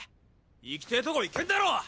行きてとこ行けんだろ。